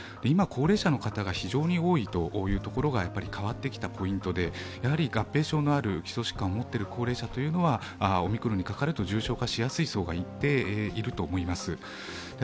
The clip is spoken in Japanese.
今、高齢者の方が非常に多いというところが変わってきたポイントでやはり合併症のある基礎疾患を持っている高齢者というのは、オミクロンにかかると重症化しやすい層が一定いると思います。